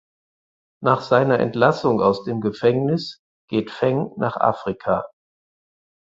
Nach seiner Entlassung aus dem Gefängnis geht Feng nach Afrika.